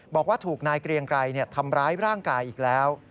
บอกว่าถูกนายเกรียงไกรทำร้ายร่างกายอีกแล้ว